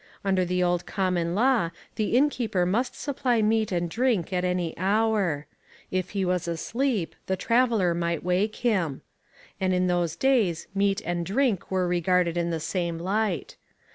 Under the old common law the innkeeper must supply meat and drink at any hour. If he was asleep the traveller might wake him. And in those days meat and drink were regarded in the same light.